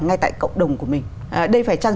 ngay tại cộng đồng của mình đây phải chăng